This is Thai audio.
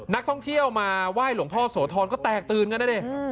นักท่องเที่ยวมาไหว้หลวงพ่อโสธรก็แตกตื่นกันนะดิ